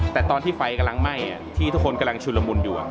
แต่ตอนที่ไฟกำลังไหม้ที่ทุกคนกำลังชุนละมุนอยู่